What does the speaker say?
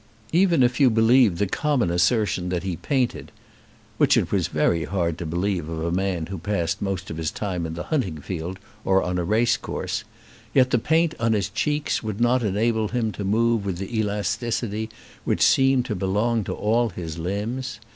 Even if you believed the common assertion that he painted, which it was very hard to believe of a man who passed the most of his time in the hunting field or on a race course, yet the paint on his cheeks would not enable him to move with the elasticity which seemed to belong to all his limbs.